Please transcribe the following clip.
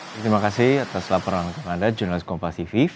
terima kasih atas laporan anda jurnalis kompasivi